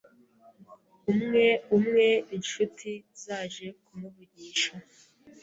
Umwe umwe, inshuti zaje kumuvugisha.